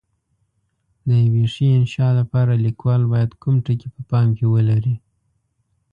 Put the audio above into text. د یوې ښې انشأ لپاره لیکوال باید کوم ټکي په پام کې ولري؟